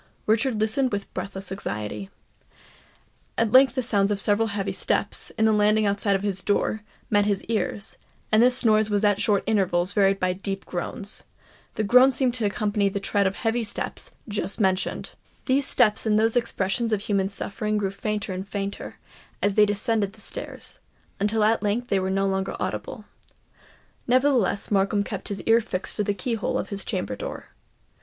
Richard listened with breathless anxiety. At length the sounds of several heavy steps, in the landing outside his door, met his ears; and this noise was at short intervals varied by deep groans. The groans seemed to accompany the tread of the heavy steps just mentioned. These steps and those expressions of human suffering grew fainter and fainter, as they descended the stairs, until at length they were no longer audible. Nevertheless Markham kept his ear fixed to the key hole of his chamber door.